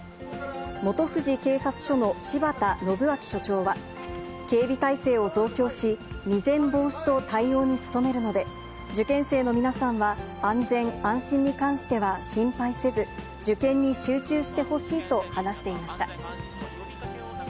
本富士警察署の柴田延明署長は、警備体制を増強し、未然防止と対応に努めるので、受験生の皆さんは、安全安心に関しては心配せず、受験に集中してほしいと話していました。